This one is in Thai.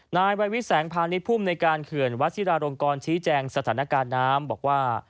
นายวัยวิแสงพาณิชย์ภูมิในการเขื่อนวัชิราลงกรชี้แจงสถานการณ์น้ำบอกว่า